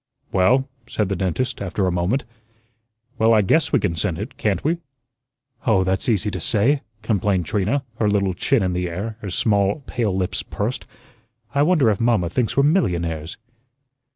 "Well," said the dentist, after a moment, "well, I guess we can send it, can't we?" "Oh, that's easy to say," complained Trina, her little chin in the air, her small pale lips pursed. "I wonder if mamma thinks we're millionaires?"